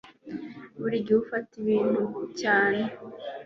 Buri gihe ufata ibintu cyane